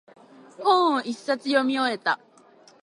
本を一冊読み終えた。